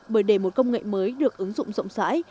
bởi để một công nghệ mới được ứng dụng rộng rãi